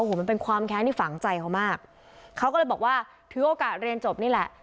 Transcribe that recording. โอ้โหมันเป็นความแค้นที่ฝังใจเขามากเขาก็เลยบอกว่าถือโอกาสเรียนจบนี่แหละ